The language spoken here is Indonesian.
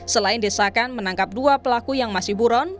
selain desakan menangkap dua pelaku yang masih buron